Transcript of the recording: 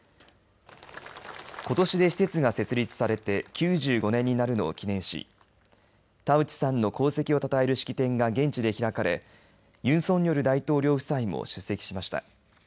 ことしで施設が設立されて９５年になるのを記念し田内さんの功績をたたえる式典が現地で開かれユン・ソンニョル大統領夫妻も出席しました。